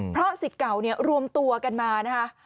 เพราะสิทธิ์เก่าเนี่ยรวมตัวกันมานะคะ